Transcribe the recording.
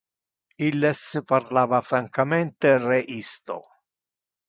Illes parlava francamente re isto.